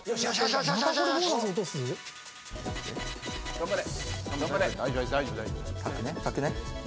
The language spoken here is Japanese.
頑張れ。